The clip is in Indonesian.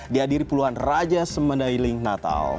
dia diri puluhan raja semandailing natal